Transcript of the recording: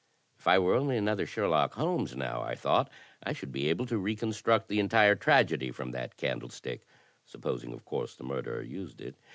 "If I were only another Sherlock Holmes now," I thought, "I should be able to reconstruct the entire tragedy from that candle stick, supposing of course the murderer used it.